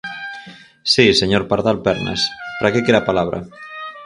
Si, señor Pardal Pernas, ¿para que quere a palabra?